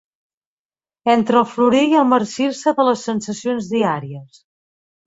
Entre el florir i el marcir-se de les sensacions diàries...